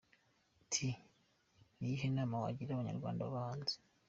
T: Ni iyihe nama wagira Abanyarwanda baba hanze?.